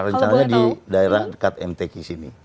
rencananya di daerah dekat mtk sini